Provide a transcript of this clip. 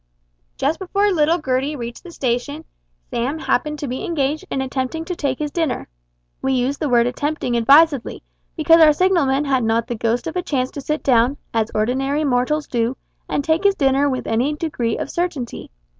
Just before little Gertie reached the station, Sam happened to be engaged in attempting to take his dinner. We use the word attempting advisedly, because our signalman had not the ghost of a chance to sit down, as ordinary mortals do, and take his dinner with any degree of certainty.